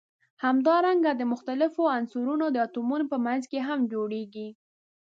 همدارنګه د مختلفو عنصرونو د اتومونو په منځ کې هم جوړیږي.